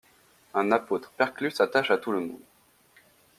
Un apôtre perclus s'attache à tout le monde.